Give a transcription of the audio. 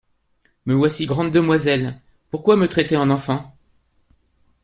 Me voici grande demoiselle : Pourquoi me traiter en enfant ?